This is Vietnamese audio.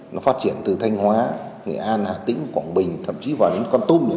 nó phát triển từ thanh hóa nghệ an hà tĩnh quảng bình thậm chí vào đến con tôm nữa